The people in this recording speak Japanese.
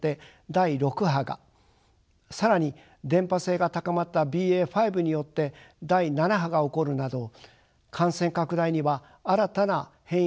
更に伝播性が高まったＢＡ．５によって第７波が起こるなど感染拡大には新たな変異株が関係しています。